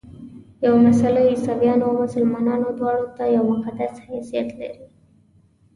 یوه مسله عیسویانو او مسلمانانو دواړو ته یو مقدس حیثیت لري.